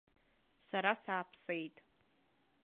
Сара сааԥсеит.